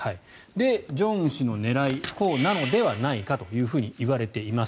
正恩氏の狙いこうなのではないかといわれています。